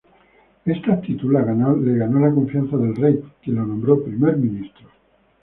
Esta actitud le ganó la confianza del rey, quien lo nombró Primer Ministro.